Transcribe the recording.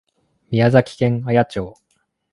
宮崎県綾町